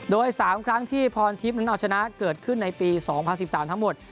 โดย๓ครั้งที่พรทิพย์นั้นเอาชนะเกิดขึ้นในปี๒๐๑๓ทั้งหมด